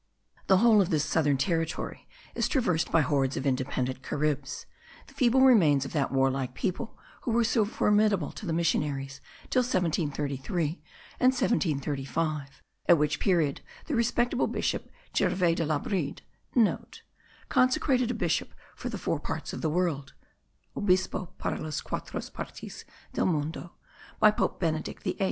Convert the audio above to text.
The whole of this southern territory is traversed by hordes of independent Caribs; the feeble remains of that warlike people who were so formidable to the missionaries till 1733 and 1735, at which period the respectable bishop Gervais de Labrid,* (* Consecrated a bishop for the four parts of the world (obispo para las quatro partes del mundo) by pope Benedict XIII.)